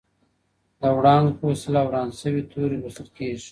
د وړانګو په وسیله وران سوي توري لوستل کیږي.